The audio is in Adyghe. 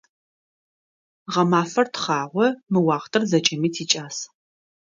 Гъэмафэр тхъагъо, мы уахътэр зэкӀэми тикӀас.